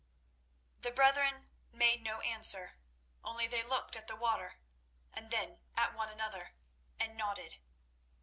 The brethren made no answer, only they looked at the water and then at one another, and nodded.